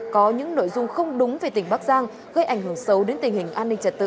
có những nội dung không đúng về tỉnh bắc giang gây ảnh hưởng sâu đến tình hình an ninh trật tự